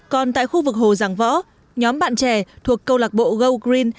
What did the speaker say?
còn tại khu vực hồ giảng võ nhóm bạn trẻ thuộc câu lạc bộ go green